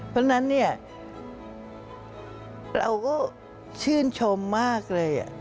เพราะฉะนั้นเนี่ยเราก็ชื่นชมมากเลย